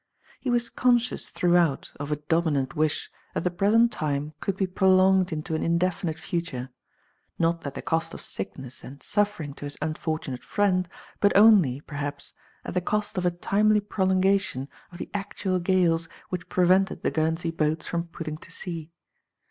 He was conscious throughout of a dominant wish that the present time could be prolonged into an indefinite future ; not at the cost of sickness and suffering to his unfortunate friend, but only, per haps, at the cost of a timely prolongation of the actual gales which prevented the Guernsey boats from putting to sea.